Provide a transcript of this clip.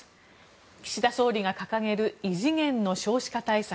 岸田総理が掲げる異次元の少子化対策。